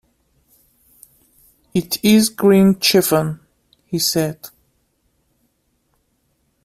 "It is green chiffon," he said.